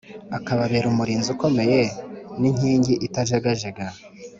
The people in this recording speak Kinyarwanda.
akababera umurinzi ukomeye n’inkingi itajegajega;